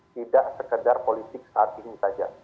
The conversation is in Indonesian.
tidak sekedar politik saat ini saja